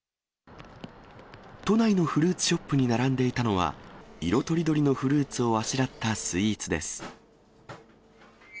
都内のフルーツショップに並んでいたのは、色とりどりのフルーツをあしらったスイーツです。